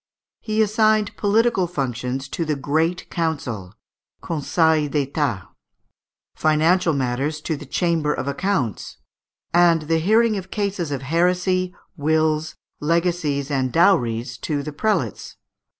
He assigned political functions to the Great Council (Conseil d'Etat); financial matters to the chamber of accounts; and the hearing of cases of heresy, wills, legacies, and dowries to the prelates.